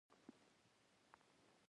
د خندانو پستو هیواد افغانستان.